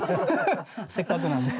せっかくなんで。